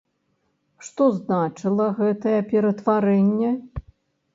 Што значыла гэтае ператварэнне?